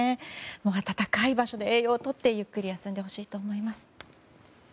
温かい場所で栄養を取ってゆっくり休んでほしいと思います。